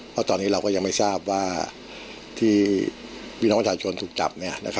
เพราะตอนนี้เราก็ยังไม่ทราบว่าที่พี่น้องประชาชนถูกจับ